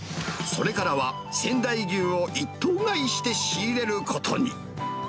それからは仙台牛を一頭買いして仕入れることに。